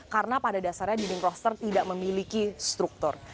karena pada dasarnya dinding roster tidak memiliki struktur